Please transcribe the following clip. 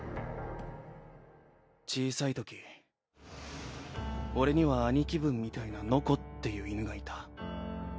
小さいとき俺には兄貴分みたいなノコっていう犬がいた。